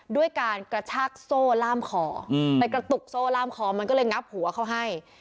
ด้วยการกระชากโซ่ล่ามคอไปกระตุกโซ่ล่ามคอมันก็เลยงับหัวเขาให้